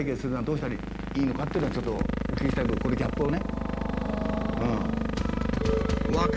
いいのかっていうのはちょっとお聞きしたいこれギャップをね。